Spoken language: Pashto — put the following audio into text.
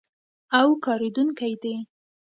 او کارېدونکی دی.